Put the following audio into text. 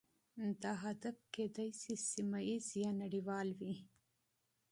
دا هدف کیدای شي سیمه ایز یا نړیوال وي